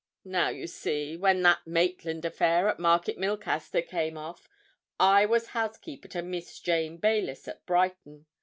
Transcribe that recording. Now, you see, when that Maitland affair at Market Milcaster came off, I was housekeeper to Miss Jane Baylis at Brighton.